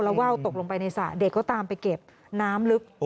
แล้วว่าวตกลงไปในสระเด็กก็ตามไปเก็บน้ำลึก